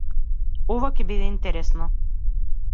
Ова ќе биде интересно.